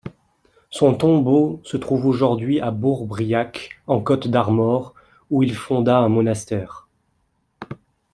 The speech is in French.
Son tombeau se trouve aujourd’hui à Bourbriac en Côtes-d’Armor où il fonda un monastère.